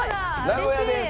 名古屋です。